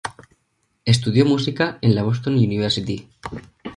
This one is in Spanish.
Estudió música en la Boston University.